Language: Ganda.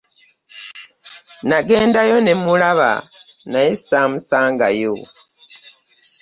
Nagendayo ne mmulaba naye ssaamusangayo!